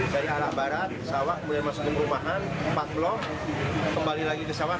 dari ala barat sawak kemudian masuk ke rumah empat blok kembali lagi ke sawak